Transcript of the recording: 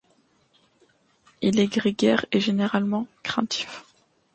Il est grégaire et généralement craintif.